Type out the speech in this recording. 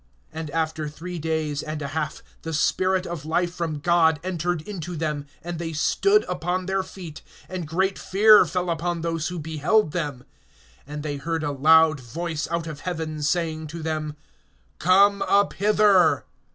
(11)And after three days and a half, the spirit of life from God entered into them, and they stood upon their feet; and great fear fell upon those who beheld them. (12)And they heard a loud voice out of heaven, saying to them: Come up hither.